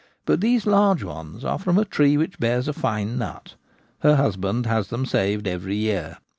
But these large ones are from a tree which bears a fine nut : her husband has them saved every year.